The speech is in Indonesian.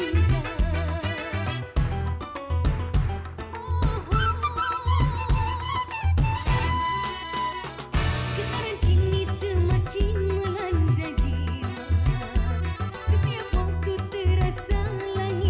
ella akan menyanyikan sebuah lagu